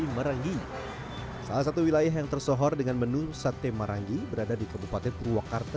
merangi salah satu wilayah yang tersohor dengan menu sate merangi berada di kebupaten purwakarta